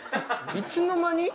いつの間に？